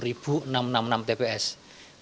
kalau kemudian kami menangkan sendiri tentu tidak mungkin